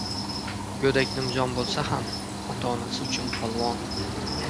• Go‘dak nimjon bo‘lsa ham, ota-onasi uchun — polvon.